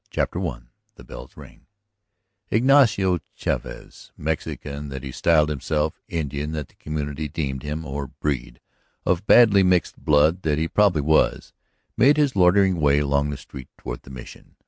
CHAPTER I THE BELLS RING Ignacio Chavez, Mexican that he styled himself, Indian that the community deemed him, or "breed" of badly mixed blood that he probably was, made his loitering way along the street toward the Mission.